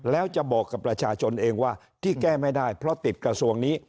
แล้วจะบอกกับประชาชนเองว่าที่แก้ไม่ได้เพราะติดกระทรวงนี้